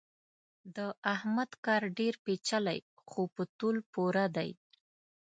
د احمد کار ډېر پېچلی خو په تول پوره دی.